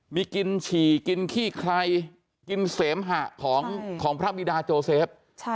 มีกินฉี่กินขี้ไครกินเสมหะของพระบิดาโจเซฟ